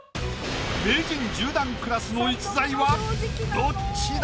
名人１０段クラスの逸材はどっちだ